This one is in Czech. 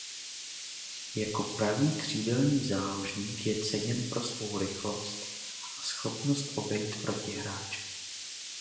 Jako pravý křídelní záložník je ceněn pro svou rychlost a schopnost obejít protihráče.